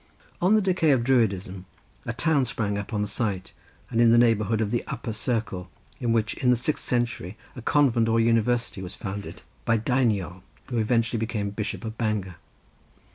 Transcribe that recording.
On the decay of Druidism a town sprang up on the site and in the neighbourhood of the "upper circle," in which in the sixth century a convent or university was founded by Deiniol, who eventually became Bishop of Bangor.